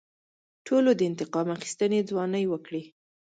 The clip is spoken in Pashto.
ټولو د انتقام اخیستنې ځوانۍ وکړې.